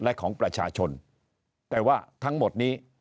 และของประชาชนแต่ว่าทั้งหมดนี้